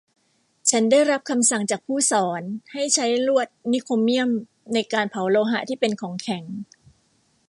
ฉันได้รับคำสั่งจากผู้สอนให้ใช้ลวดนิกโครเมี่ยมในการเผาโลหะที่เป็นของแข็ง